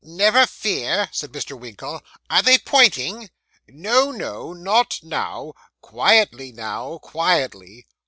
'Never fear,' said Mr. Winkle. 'Are they pointing?' 'No, no; not now. Quietly now, quietly.